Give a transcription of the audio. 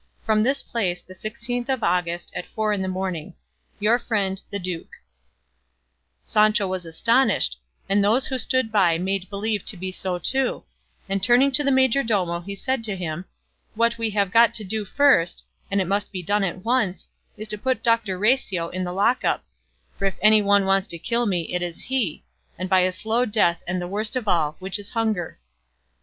From this place, the Sixteenth of August, at four in the morning. Your friend, THE DUKE Sancho was astonished, and those who stood by made believe to be so too, and turning to the majordomo he said to him, "What we have got to do first, and it must be done at once, is to put Doctor Recio in the lock up; for if anyone wants to kill me it is he, and by a slow death and the worst of all, which is hunger."